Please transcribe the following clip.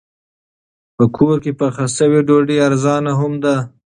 په کور کې پخه شوې ډوډۍ ارزانه هم ده.